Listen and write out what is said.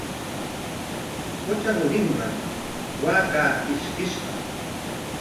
Qutra rurinman waakaa ishkishqa.